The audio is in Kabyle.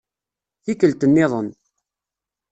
Tikkelt-nniḍen.